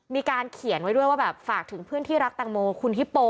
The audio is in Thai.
มีการเขียนไว้ด้วยว่าแบบฝากถึงเพื่อนที่รักแตงโมคุณฮิปโป